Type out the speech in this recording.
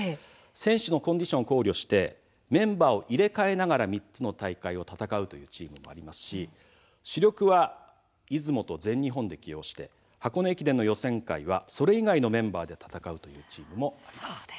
選手のコンディションを考慮してメンバーを入れ替えながら３つの大会を戦うというチームもありますし主力は出雲と全日本で起用して箱根駅伝の予選会は、それ以外のメンバーで戦うというチームもあります。